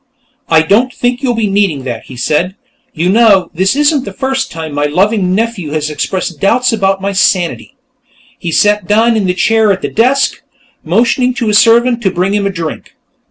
"I don't think you'll be needing that," he said. "You know, this isn't the first time my loving nephew has expressed doubts as to my sanity." He sat down in the chair at the desk, motioning to his servant to bring him a drink.